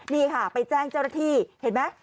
นี่ค่ะไปแจ้งเจ้าหน้าที่เห็นไหม